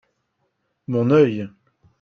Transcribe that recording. Mon œil !